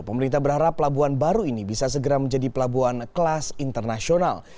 pemerintah berharap pelabuhan baru ini bisa segera menjadi pelabuhan kelas internasional